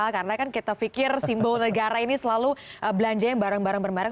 karena kan kita pikir simbol negara ini selalu belanja yang barang barang bermarang